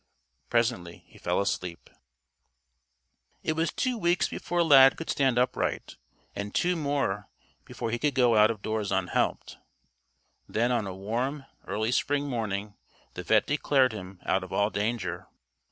Presently he fell asleep. It was two weeks before Lad could stand upright, and two more before he could go out of doors unhelped. Then on a warm, early spring morning, the vet' declared him out of all danger.